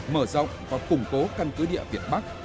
mở rộng và củng cố căn cứ địa việt bắc